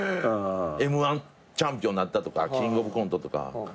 Ｍ−１チャンピオンなったとかキングオブコントとか。